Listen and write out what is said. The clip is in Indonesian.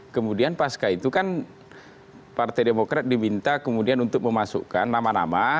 kemudian pasca itu kan partai demokrat diminta kemudian untuk memasukkan nama nama